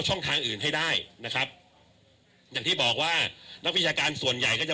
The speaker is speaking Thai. ช่องทางอื่นให้ได้นะครับอย่างที่บอกว่านักวิชาการส่วนใหญ่ก็จะ